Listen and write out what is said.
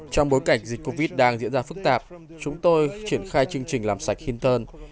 trong bối cảnh dịch covid đang diễn ra phức tạp chúng tôi triển khai chương trình làm sạch hinton